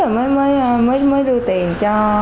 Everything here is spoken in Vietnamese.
mới đưa tiền cho